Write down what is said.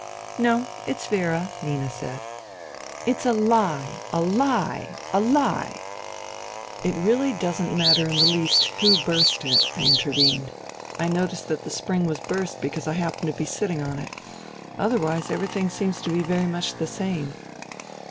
" No, it's Vera," Nina said. 240 FUTILITY " It's a lie ! a lie ! a lie !"It really doesn't matter in the least who burst it," I intervened. " I noticed that the spring was burst because I happened to be sitting on it ... otherwise everything seems to be very much the same."